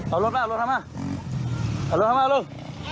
เอารถล่ะเอารถล่ะมาเอารถล่ะมาเอาลูก